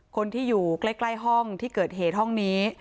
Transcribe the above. คนที่อยู่ใกล้ห้องที่เกิดเหตุห้องนี้